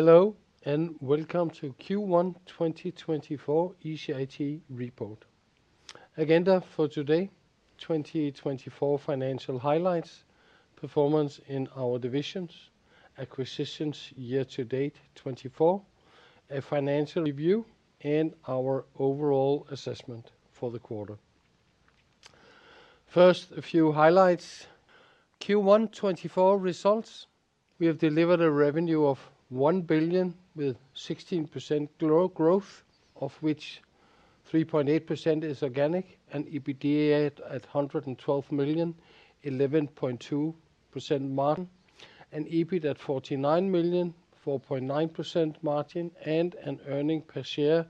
Hello and welcome to Q1 2024 ECIT report. Agenda for today: 2024 financial highlights, performance in our divisions, acquisitions year-to-date 2024, a financial review, and our overall assessment for the quarter. First, a few highlights. Q1 2024 results: we have delivered a revenue of 1 billion with 16% growth, of which 3.8% is organic, an EBITDA at 112 million, 11.2% margin, an EBIT at 49 million, 4.9% margin, and an earnings per share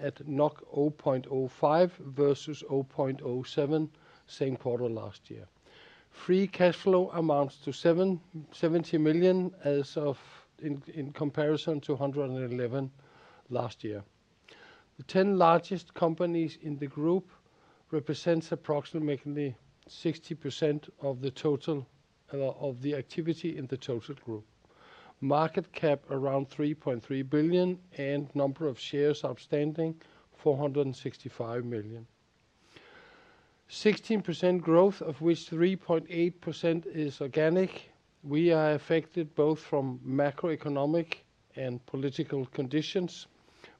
at 0.05 versus 0.07 same quarter last year. Free cash flow amounts to 70 million as of in comparison to 111 million last year. The 10 largest companies in the group represents approximately 60% of the total of the activity in the total group. Market cap around 3.3 billion, and number of shares outstanding 465 million. 16% growth, of which 3.8% is organic. We are affected both from macroeconomic and political conditions,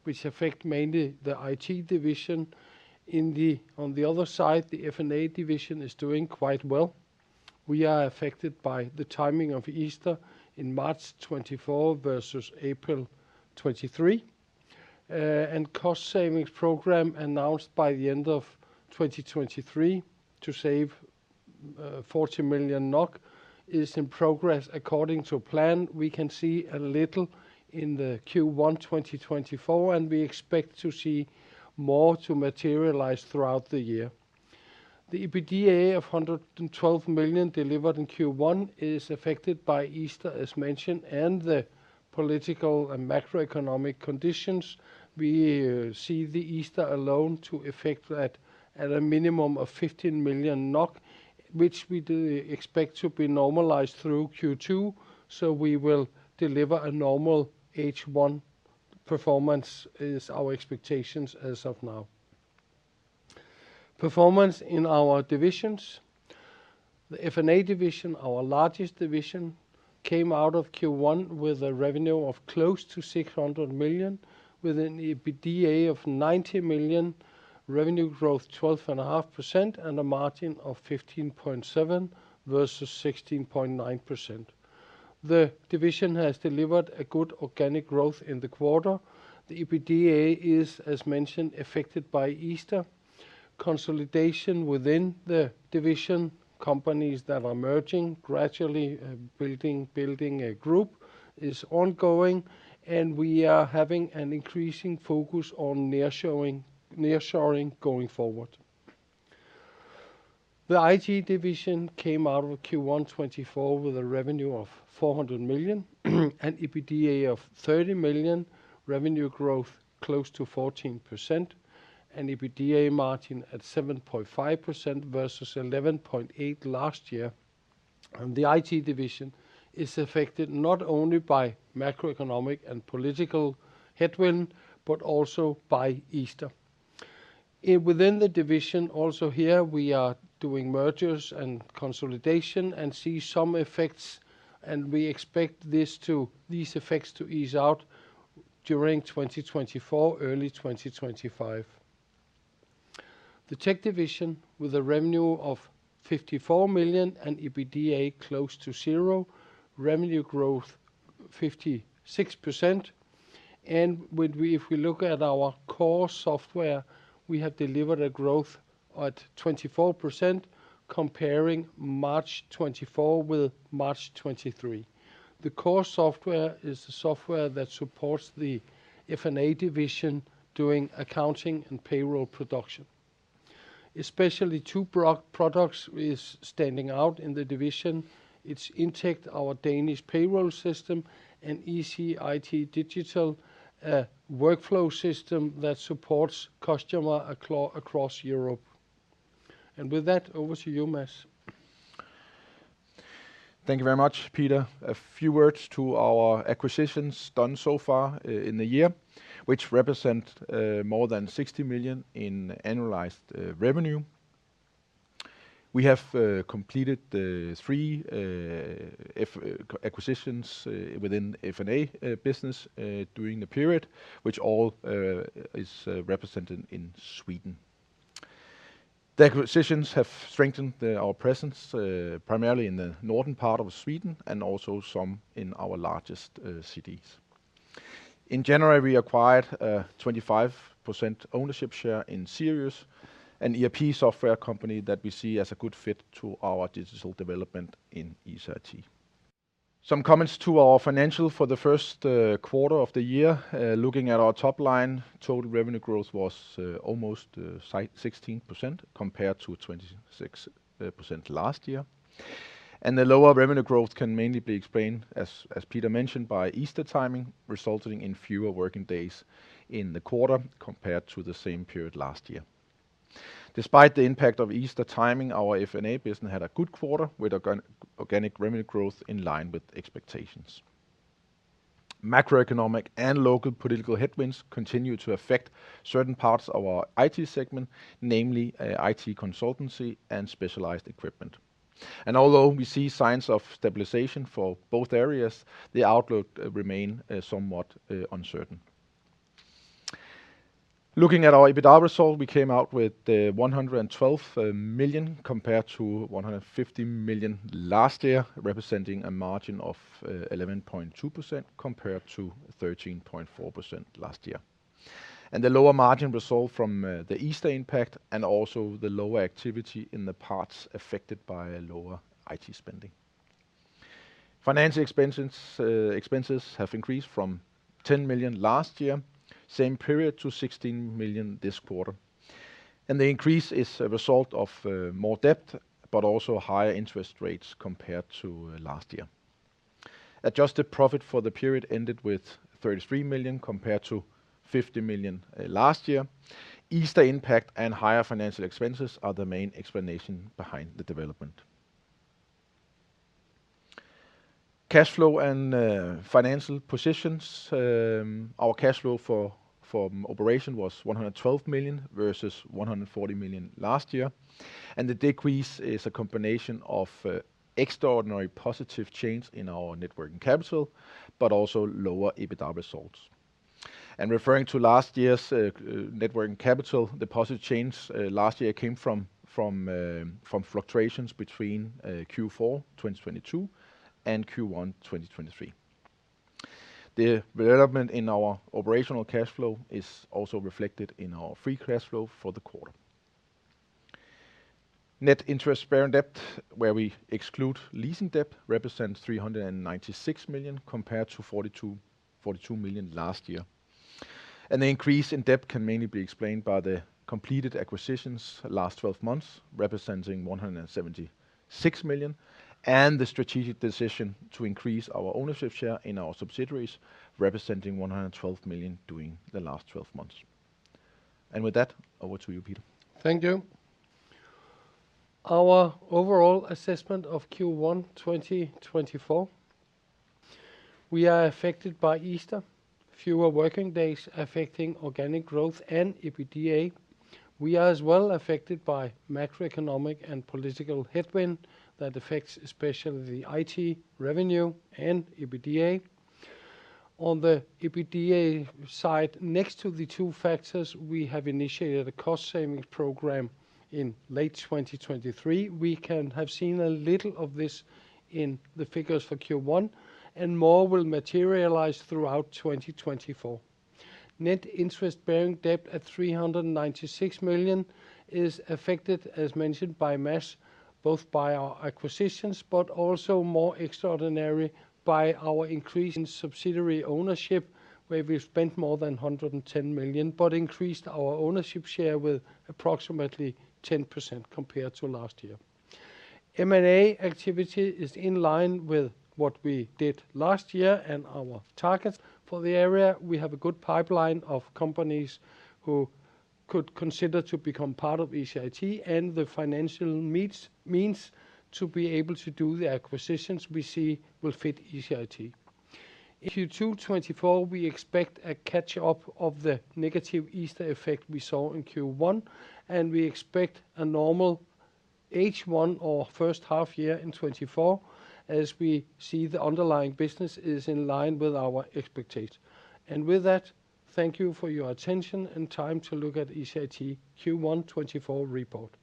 which affect mainly the IT division. On the other side, the F&A division is doing quite well. We are affected by the timing of Easter in March 2024 versus April 2023. Cost savings program announced by the end of 2023 to save 40 million NOK is in progress according to plan. We can see a little in the Q1 2024, and we expect to see more to materialize throughout the year. The EBITDA of 112 million delivered in Q1 is affected by Easter, as mentioned, and the political and macroeconomic conditions. We see the Easter alone to affect that at a minimum of 15 million NOK, which we do expect to be normalized through Q2. We will deliver a normal H1 performance is our expectations as of now. Performance in our divisions: the F&A division, our largest division, came out of Q1 with a revenue of close to 600 million, with an EBITDA of 90 million, revenue growth 12.5%, and a margin of 15.7% versus 16.9%. The division has delivered a good organic growth in the quarter. The EBITDA is, as mentioned, affected by Easter. Consolidation within the division: companies that are merging gradually, building a group, is ongoing, and we are having an increasing focus on nearshoring going forward. The IT division came out of Q1 2024 with a revenue of 400 million, an EBITDA of 30 million, revenue growth close to 14%, an EBITDA margin at 7.5% versus 11.8% last year. The IT division is affected not only by macroeconomic and political headwind but also by Easter. Within the division, also here, we are doing mergers and consolidation and see some effects, and we expect these effects to ease out during 2024, early 2025. The Tech division with a revenue of 54 million and EBITDA close to zero, revenue growth 56%. And if we look at our core software, we have delivered a growth at 24% comparing March 2024 with March 2023. The core software is the software that supports the F&A division doing accounting and payroll production. Especially two products standing out in the division: it's Intect, our Danish payroll system, and ECIT Digital, a workflow system that supports customers across Europe. And with that, over to you, Mads. Thank you very much, Peter. A few words to our acquisitions done so far in the year, which represent more than 60 million in annualized revenue. We have completed three acquisitions within F&A business during the period, which all is represented in Sweden. The acquisitions have strengthened our presence primarily in the northern part of Sweden and also some in our largest cities. In January, we acquired a 25% ownership share in Zirius, an ERP software company that we see as a good fit to our digital development in ECIT. Some comments to our financial for the first quarter of the year. Looking at our top line, total revenue growth was almost 16% compared to 26% last year. The lower revenue growth can mainly be explained, as Peter mentioned, by Easter timing resulting in fewer working days in the quarter compared to the same period last year. Despite the impact of Easter timing, our F&A business had a good quarter with organic revenue growth in line with expectations. Macroeconomic and local political headwinds continue to affect certain parts of our IT segment, namely IT consultancy and specialized equipment. Although we see signs of stabilization for both areas, the outlook remains somewhat uncertain. Looking at our EBITDA result, we came out with 112 million compared to 150 million last year, representing a margin of 11.2% compared to 13.4% last year. The lower margin result from the Easter impact and also the lower activity in the parts affected by lower IT spending. Financial expenses have increased from 10 million last year, same period, to 16 million this quarter. The increase is a result of more debt but also higher interest rates compared to last year. Adjusted profit for the period ended with 33 million compared to 50 million last year. Easter impact and higher financial expenses are the main explanation behind the development. Cash flow and financial positions: our cash flow from operations was 112 million versus 140 million last year. The decrease is a combination of extraordinary positive change in our working capital but also lower EBITDA results. Referring to last year's working capital, the positive change last year came from fluctuations between Q4 2022 and Q1 2023. The development in our operational cash flow is also reflected in our free cash flow for the quarter. Net interest-bearing debt, where we exclude leasing debt, represents 396 million compared to 42 million last year. The increase in debt can mainly be explained by the completed acquisitions last 12 months representing 176 million and the strategic decision to increase our ownership share in our subsidiaries representing 112 million during the last 12 months. With that, over to you, Peter. Thank you. Our overall assessment of Q1 2024: we are affected by Easter, fewer working days affecting organic growth and EBITDA. We are as well affected by macroeconomic and political headwind that affects especially the IT revenue and EBITDA. On the EBITDA side, next to the two factors, we have initiated a cost savings program in late 2023. We can have seen a little of this in the figures for Q1, and more will materialize throughout 2024. Net interest-bearing debt at 396 million is affected, as mentioned by Mads, both by our acquisitions but also more extraordinary by our increase in subsidiary ownership, where we've spent more than 110 million but increased our ownership share with approximately 10% compared to last year. M&A activity is in line with what we did last year and our targets for the area. We have a good pipeline of companies who could consider to become part of ECIT, and the financial means to be able to do the acquisitions we see will fit ECIT. In Q2 2024, we expect a catch-up of the negative Easter effect we saw in Q1, and we expect a normal H1 or first half year in 2024 as we see the underlying business is in line with our expectations. With that, thank you for your attention and time to look at ECIT Q1 2024 report.